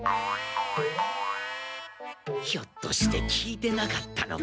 ひょっとして聞いてなかったのか？